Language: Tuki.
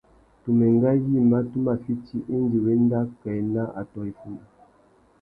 Tu mà enga yïmá tu má fiti indi wá enda kā ena atõh iffundu.